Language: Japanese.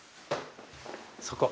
そこ。